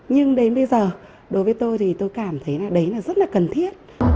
nhưng đến bây giờ đối với tôi thì tôi cảm thấy là đấy là rất là cần thiết